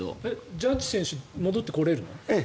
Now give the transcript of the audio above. ジャッジ選手戻ってこれるの？